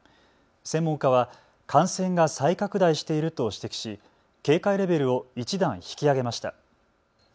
専門家は感染が再拡大していると指摘し警戒レベルを１段引き上げました。